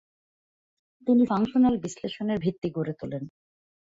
তিনি ফাংশনাল বিশ্লেষণের ভিত্তি গড়ে তুলেন।